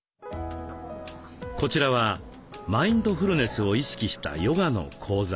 こちらはマインドフルネスを意識したヨガの講座。